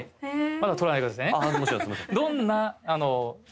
まだ取らないでくださいね。